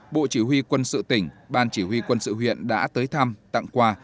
bộ chỉ huy quân sự tỉnh ban chỉ huy quân sự huyện đã tới thăm tặng quà